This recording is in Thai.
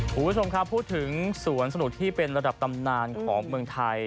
คุณผู้ชมครับพูดถึงสวนสนุกที่เป็นระดับตำนานของเมืองไทย